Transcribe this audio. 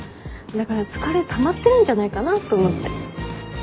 だから疲れたまってるんじゃないかなと思って。